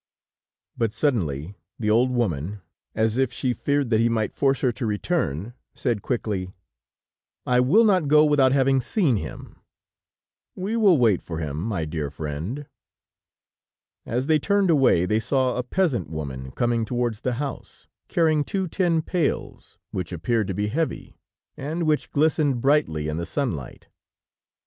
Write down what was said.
But suddenly, the old woman, as if she feared that he might force her to return, said quickly: "I will not go without having seen him." "We will wait for him, my dear friend." As they turned away, they saw a peasant woman coming towards the house, carrying two tin pails, which appeared to be heavy, and which glistened brightly in the sunlight.